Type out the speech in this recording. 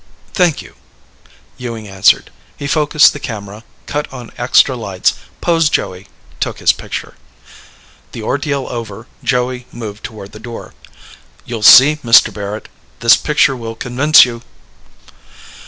"Thank you," Ewing answered. He focused the camera, cut on extra lights, posed Joey, took his picture. The ordeal over, Joey moved toward the door. "You'll see, Mr. Barrett. This picture will convince you."